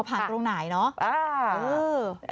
ผ่านตรงไหนนะ